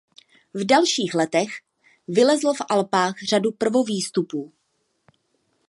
V dalších letech vylezl v Alpách řadu prvovýstupů.